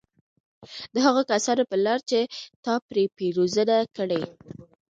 د هغو كسانو په لار چي تا پرې پېرزوينه كړې